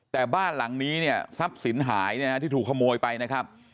แต่บ้านหลังนี้เนี่ยทรัพย์สินหายที่ถูกขโมยไปนะครับ